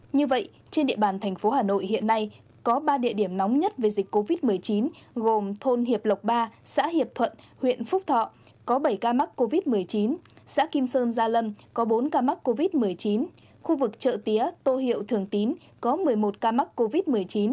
như vậy trên địa bàn thành phố hà nội hiện nay có ba địa điểm nóng nhất về dịch covid một mươi chín gồm thôn hiệp lộc ba xã hiệp thuận huyện phúc thọ có bảy ca mắc covid một mươi chín xã kim sơn gia lâm có bốn ca mắc covid một mươi chín khu vực chợ tía tô hiệu thường tín có một mươi một ca mắc covid một mươi chín